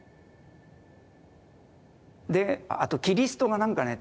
あとキリストがなんかね